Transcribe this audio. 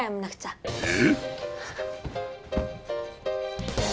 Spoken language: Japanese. え？